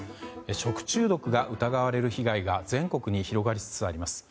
食中毒が疑われる被害が全国に広がりつつあります。